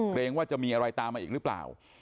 เกรงว่าจะมีอะไรตามมาอีกหรือเปล่า